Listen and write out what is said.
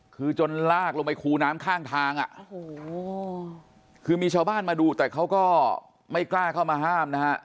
คือจนลากลงไปคูน้ำข้างทางอ่ะโอ้โหคือมีชาวบ้านมาดูแต่เขาก็ไม่กล้าเข้ามาห้ามนะฮะ